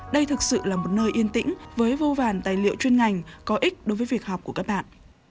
đây thực sự là một nơi yên tĩnh với vô vàn tài liệu chuyên ngành có ích đối với việc học của các bạn